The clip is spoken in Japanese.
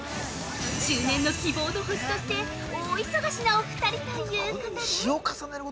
中年の希望の星として、大忙しなお二人ということで。